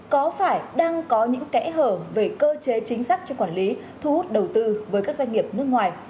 có phải đang có những kẽ hở về cơ chế chính sách cho quản lý thu hút đầu tư với các doanh nghiệp nước ngoài